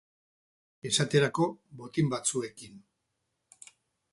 Esaterako, botin batzuekin.